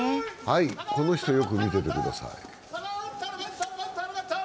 この人よく見ててください。